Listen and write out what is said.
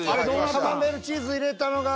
カマンベールチーズ入れたのが。